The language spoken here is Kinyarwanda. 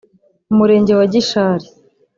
Umurenge wa Gishari